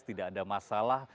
tidak ada masalah